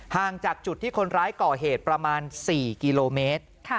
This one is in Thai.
ห่างจากจุดที่คนร้ายก่อเหตุประมาณ๔กิโลเมตร